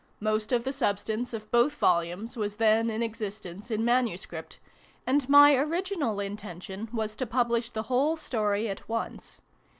Most of the substance of both Volumes was then in existence in manuscript : and my original intention was to publish the whole story at once.